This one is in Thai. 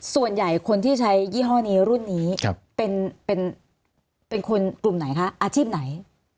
ส่วนใหญ่คนที่ใช้ยี่ห้อนี้รุ่นนี้เป็นคนกลุ่มไหนคะอาชีพไหน